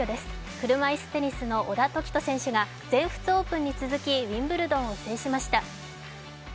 車いすテニスの小田凱人選手が全仏オープンに続きウィンブルドンを制しました。